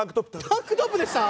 タンクトップでした？